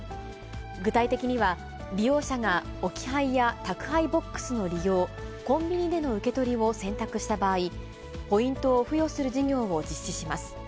具体的には、利用者が、置き配や宅配ボックスの利用、コンビニでの受け取りを選択した場合、ポイントを付与する事業を実施します。